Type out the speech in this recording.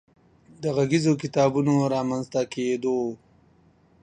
د غږیزو کتابونو رامنځ ته کېدو